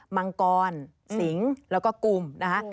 มังกรสิงค์แล้วก็กุมนะฮะ